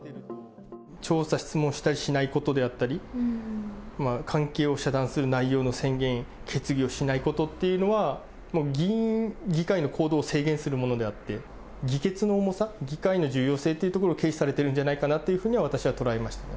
調査・質問しないことであったり、関係を遮断する内容の宣言・決議をしないことっていうのは、議員議会の行動を制限するものであって、議決の重さ、議会の重要性ってところを軽視されてるんじゃないかなというふうに私は捉えましたね。